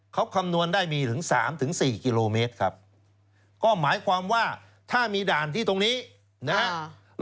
เขาคำนวณได้มีถึงสามถึงสี่กิโลเมตรครับก็หมายความว่าถ้ามีด่านที่ตรงนี้นะครับ